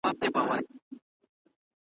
نوم چي مي پر ژبه د قلم پر تخته کښلی دی `